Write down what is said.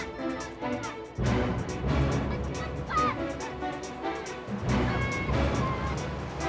ikan itu teman temannya